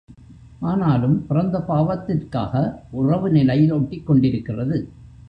ஆனாலும் பிறந்த பாவத்திற்காக உறவு நிலையில் ஒட்டிக் கொண்டிருக்கிறது.